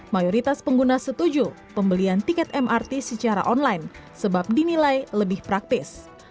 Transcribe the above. mayoritas pengguna setuju pembelian tiket mrt secara online sebab dinilai lebih praktis